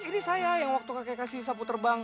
ini saya yang waktu kakek kasih sapu terbang